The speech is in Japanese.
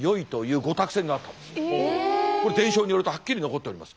伝承によるとはっきり残っております。